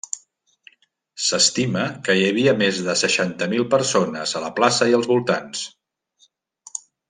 S'estima que hi havia més de seixanta mil persones a la plaça i els voltants.